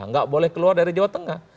nggak boleh keluar dari jawa tengah